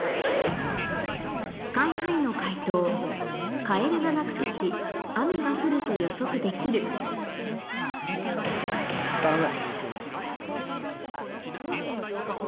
ＳＫＹ−ＨＩの解答カエルが鳴く時雨が降ると予測できる頼む。